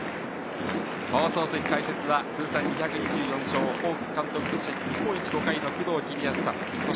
放送席解説は通算２２４勝、ホークス監督として日本一５回の工藤公康さん。